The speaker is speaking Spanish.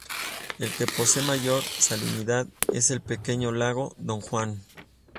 El que posee mayor salinidad es el pequeño lago Don Juan.